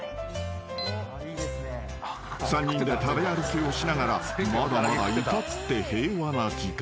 ［３人で食べ歩きをしながらまだまだ至って平和な時間］